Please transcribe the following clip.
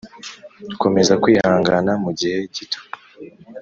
Komeza kwihangana mu gihe gito